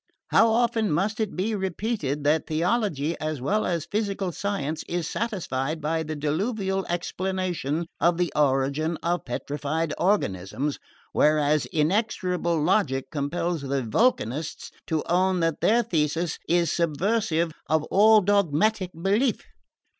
How often must it be repeated that theology as well as physical science is satisfied by the Diluvial explanation of the origin of petrified organisms, whereas inexorable logic compels the Vulcanists to own that their thesis is subversive of all dogmatic belief?"